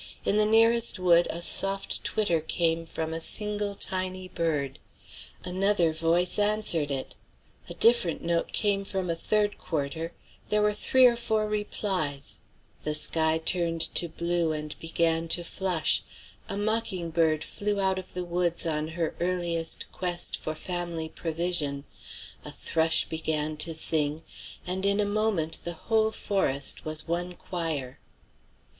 In the nearest wood a soft twitter came from a single tiny bird. Another voice answered it. A different note came from a third quarter; there were three or four replies; the sky turned to blue, and began to flush; a mocking bird flew out of the woods on her earliest quest for family provision; a thrush began to sing; and in a moment more the whole forest was one choir.